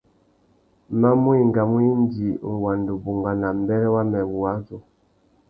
Ma mú enga indi nʼwanda ubungana mbêrê wamê wuwadjú.